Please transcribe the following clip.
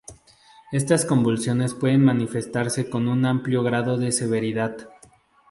Estas convulsiones pueden manifestarse con un amplio grado de severidad.